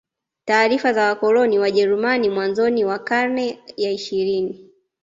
Taarifa za wakoloni Wajeruami mwanzoni wa karne ya ishirini